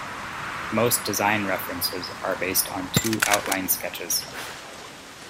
Most design references are based on two outline sketches.